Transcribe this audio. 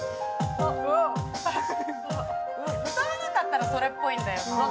歌わなかったらそれっぽいんだよな。